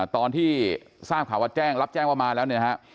ตอนที่ทราบข่าวว่าแจ้งรับแจ้งว่ามาแล้วเนี่ยนะฮะ